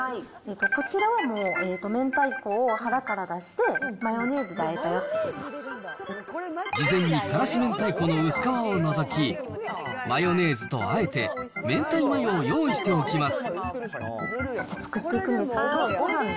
こちらは明太子を腹から出して、事前に辛子明太子の薄皮を除き、マヨネーズとあえて、めんたいマヨを用意しておきます。